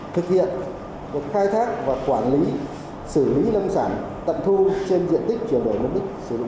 thực hiện một khai thác và quản lý xử lý lâm sản tận thu trên diện tích chuyển đổi